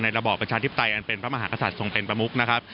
ระบอบประชาธิปไตยอันเป็นพระมหากษัตริย์ทรงเป็นประมุกนะครับ